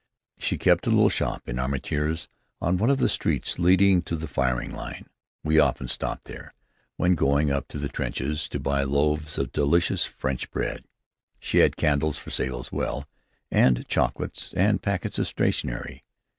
She kept a little shop, in Armentières, on one of the streets leading to the firing line. We often stopped there, when going up to the trenches, to buy loaves of delicious French bread. She had candles for sale as well, and chocolate, and packets of stationery.